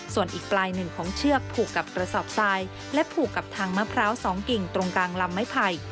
ส่วนอีกปลายหนึ่งของเชือกผูกกับกระสอบทรายและผูกกับทางมะพร้าว๒กิ่งตรงกลางลำไม้ไผ่